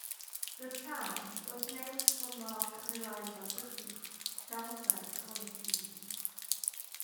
The town was named for Mark and Eliza Pettit, townsite allottees.